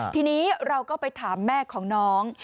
ทีนี้เราก็ไปถามแม่ของน้อง